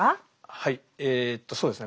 はいえとそうですね